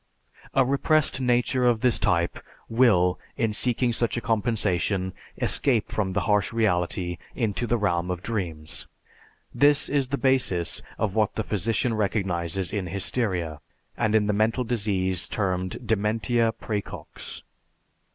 A repressed nature of this type will, in seeking such a compensation, escape from the harsh reality into the realm of dreams. This is the basis of what the physician recognizes in hysteria, and in the mental disease termed "Dementia Præcox."